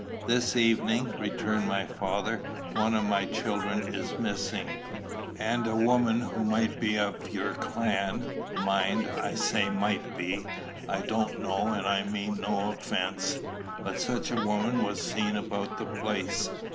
"This evening," returned my father, "one of my children is missing; and a woman who might be one of your clan, mind, I say might be; I don't know, and I mean no offence, but such a woman was seen about the place.